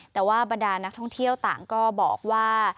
แต่ว่าบรรดานักท่องเที่ยวต่างก็บอกว่า